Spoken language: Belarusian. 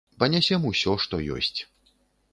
Панясем усё, што ёсць.